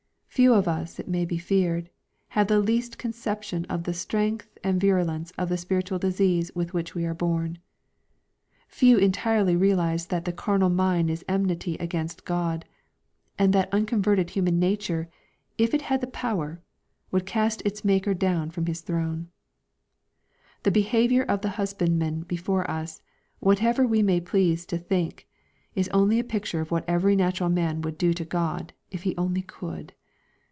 Few of us, it may be feared, have the least conception of the strength and virulence of the spiritual disease with which we are born. Few entirely realize that " the carnal mind is enmit/ against Grod,"" and that unconverted human nature, if it nad the power, would cast its Maker down from His throne. The behavior of the husbandmen before us, whatever we may please to think, is only a picture of what every natural man would do to God, if he only could.